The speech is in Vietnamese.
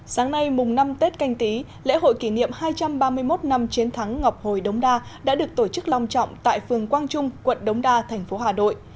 sáng nay mùng năm tết canh tí lễ hội kỷ niệm hai trăm ba mươi một năm chiến thắng ngọc hồi đống đa đã được tổ chức lòng trọng tại phường quang trung quận đống đa thành phố hà nội